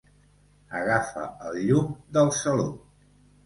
Apaga el llum del saló.